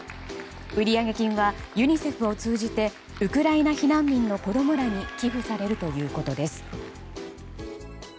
売上金はユニセフを通じてウクライナ避難民の子供らに寄付されるということです。